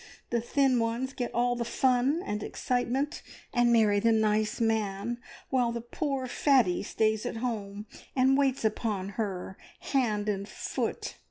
The thin ones get all the fun and excitement, and marry the nice man, while the poor fatty stays at home, and waits upon her hand and foot.